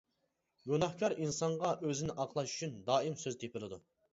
گۇناھكار ئىنسانغا ئۆزىنى ئاقلاش ئۈچۈن دائىم سۆز تېپىلىدۇ.